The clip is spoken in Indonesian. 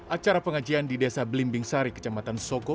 acara pengajian di desa belimbing sari kecamatan soko